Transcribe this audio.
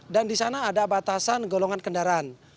dan di sana ada batasan golongan kendaraan